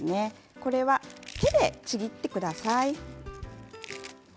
これは手でちぎってください。